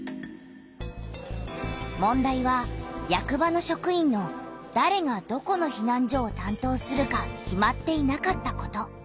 問題は役場の職員のだれがどこのひなん所をたんとうするか決まっていなかったこと。